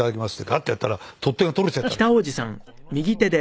ッてやったら取っ手が取れちゃったりしてね。